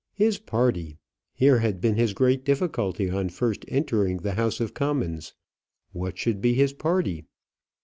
His party! here had been his great difficulty on first entering the House of Commons. What should be his party?